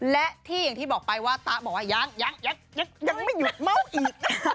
และที่อย่างที่บอกไปว่าตะบอกว่ายังยังไม่หยุดเม้าอีก